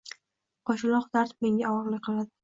Qo`shaloq dard menga og`irlik qildi